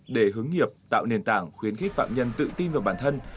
để hướng nghiệp tạo nền tảng khuyến khích phạm nhân tự tin vào bản thân